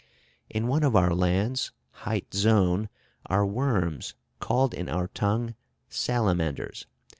In one of our lands, hight Zone, are worms called in our tongue Salamanders.